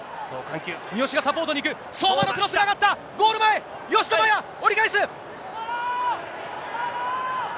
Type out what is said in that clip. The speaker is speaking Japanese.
三好がサポートにいる、相馬のクロスが上がった、ゴール前、吉田麻也、折り返す。